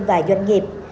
và doanh nghiệp